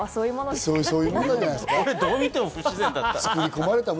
俺どういっても不自然だった。